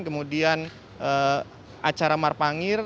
kemudian acara marpangir